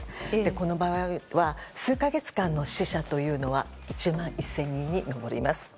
この場合は数か月間の死者というのは１万１０００人に上ります。